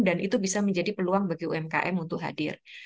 dan itu bisa menjadi peluang bagi umkm untuk hadir